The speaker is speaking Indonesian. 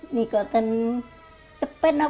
ini kota cepat tidak